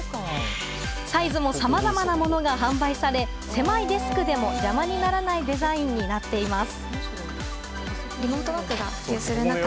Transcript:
サイズも、さまざまなものが販売され狭いデスクでも邪魔にならないデザインになっています。